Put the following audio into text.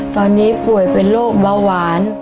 ตอนนี้ป่วยเป็นโรคเบาหวาน